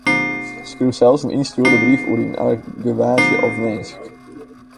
Skriuw sels in ynstjoerde brief oer dyn argewaasje of winsk.